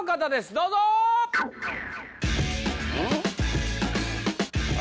どうぞ誰？